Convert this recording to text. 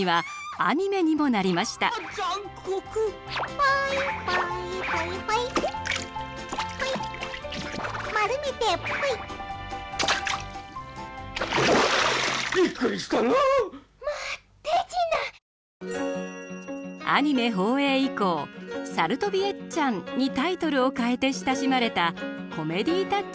アニメ放映以降「さるとびエッちゃん」にタイトルを変えて親しまれたコメディータッチの作品です。